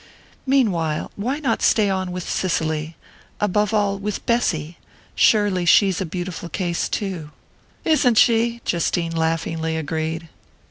"Meanwhile, why not stay on with Cicely above all, with Bessy? Surely she's a 'beautiful' case too." "Isn't she?" Justine laughingly agreed.